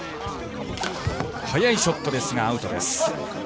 速いショットですがアウトです。